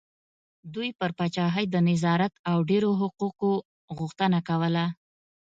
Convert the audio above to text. دوی پر پاچاهۍ د نظارت او ډېرو حقوقو غوښتنه کوله.